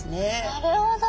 なるほど！